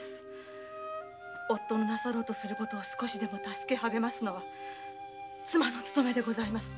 夫のなさろうとすることを少しでも助け励ますのは妻の務めでございます。